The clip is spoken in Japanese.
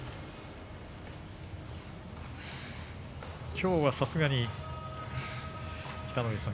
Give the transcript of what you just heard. きょうは、さすがに北の富士さん